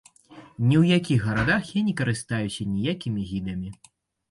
Ні ў якіх гарадах я не карыстаюся ніякімі гідамі.